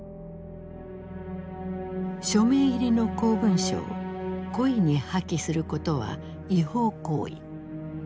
署名入りの公文書を故意に破棄することは違法行為。